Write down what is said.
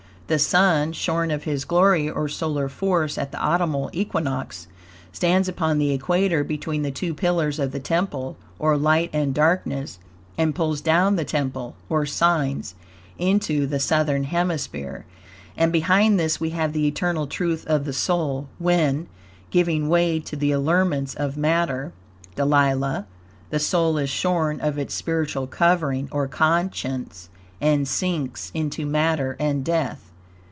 The Sun, shorn of his glory, or solar force, at the autumnal equinox, stands upon the equator between the two pillars of the temple (or light and darkness), and pulls down the temple (or signs) into the southern hemisphere. And behind this we have the eternal truth of the soul, when, giving way to the allurements of matter (Delilah), the soul is shorn of its spiritual covering, or conscience, and sinks into matter and death.